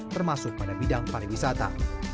termasuk pada bidang pariwisata